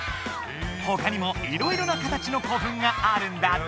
ほかにもいろいろな形の古墳があるんだって。